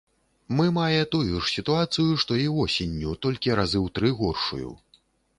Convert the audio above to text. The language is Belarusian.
Мы мае тую ж сітуацыю, што і восенню, толькі разы ў тры горшую.